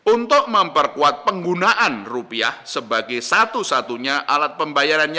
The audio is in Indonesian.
untuk memperkuat penggunaan rupiah sebagai satu satunya alat pembayarannya